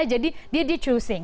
jadi didi xu xing